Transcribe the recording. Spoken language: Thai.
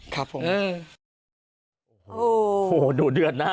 โหดูเดือดนะ